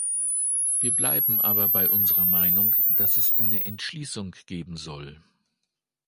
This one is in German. Wir bleiben aber bei unserer Meinung, dass es eine Entschließung geben soll.